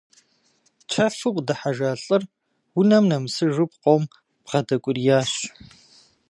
Чэфу къыдыхьэжа лӏыр унэм нэмысыжу пкъом бгъэдэкӏуриящ.